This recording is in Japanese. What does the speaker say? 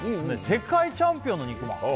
世界チャンピオンの肉まんあ